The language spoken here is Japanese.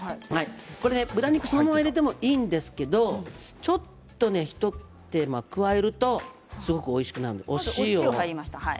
豚肉、そのままでもいいんですけれどちょっと一手間加えるとすごくおいしくなるんです。